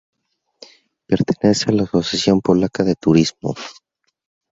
Pertenecen a la Asociación Polaca de Turismo.